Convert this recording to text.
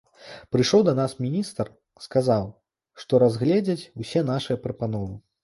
Прыйшоў да нас міністр, сказаў, што разгледзяць усе нашыя прапановы.